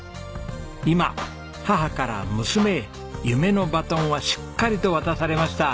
今母から娘へ夢のバトンはしっかりと渡されました。